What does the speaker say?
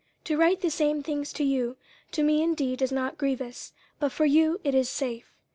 To write the same things to you, to me indeed is not grievous, but for you it is safe.